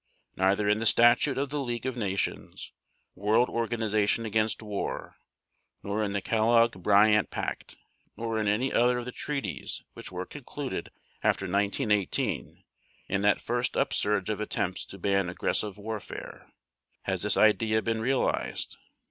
Neither in the statute of the League of Nations, world organization against war, nor in the Kellogg Briand Pact, nor in any other of the treaties which were concluded after 1918 in that first upsurge of attempts to ban aggressive warfare, has this idea been realized.